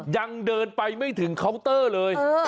ยังเดินไปไม่ถึงเคาน์เตอร์เลย